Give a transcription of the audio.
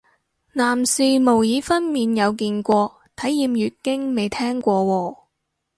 男士模擬分娩有見過，體驗月經未聽過喎